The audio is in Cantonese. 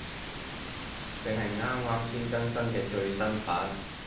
正係啱啱先更新嘅最新版